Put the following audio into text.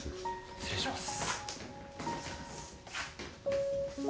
失礼します。